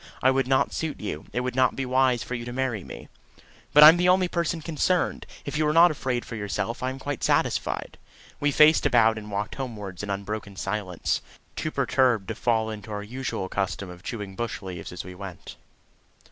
I would not suit you. It would not be wise for you to marry me." "But I'm the only person concerned. If you are not afraid for yourself, I am quite satisfied." We faced about and walked homewards in unbroken silence too perturbed to fall into our usual custom of chewing bush leaves as we went.